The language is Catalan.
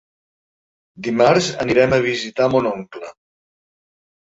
Dimarts anirem a visitar mon oncle.